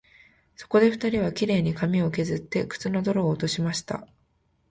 そこで二人は、綺麗に髪をけずって、靴の泥を落としました